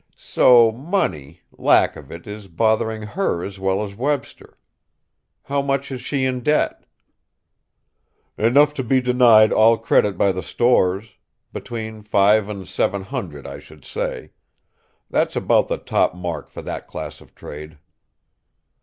"So money, lack of it, is bothering her as well as Webster! How much is she in debt?" "Enough to be denied all credit by the stores; between five and seven hundred, I should say. That's about the top mark for that class of trade."